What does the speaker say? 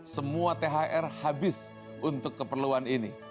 semua thr habis untuk keperluan ini